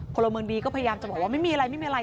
พลเมืองดีก็พยายามจะบอกว่าไม่มีอะไรไม่มีอะไร